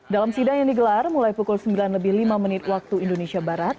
dalam sidang yang digelar mulai pukul sembilan lebih lima menit waktu indonesia barat